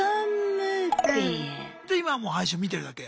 じゃ今はもう配信を見てるだけ。